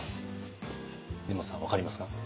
根本さん分かりますか？